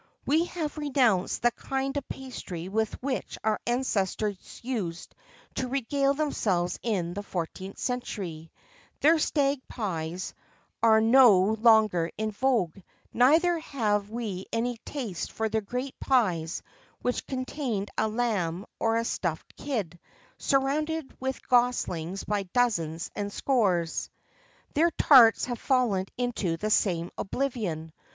We have renounced the kind of pastry with which our ancestors used to regale themselves in the 14th century. Their stag pies[XXIV 31] are no longer in vogue; neither have we any taste for their great pies which contained a lamb or a stuffed kid, surrounded with goslings by dozens and scores.[XXIV 32] Their tarts have fallen into the same oblivion.